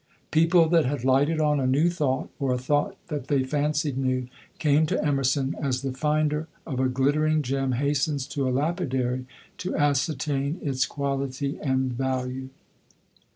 People that had lighted on a new thought, or a thought that they fancied new, came to Emerson, as the finder of a glittering gem hastens to a lapidary to ascertain its quality and value."